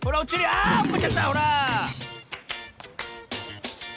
あおっこっちゃったほら！